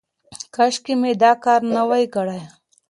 کاشکې مې دا کار نه وای کړی.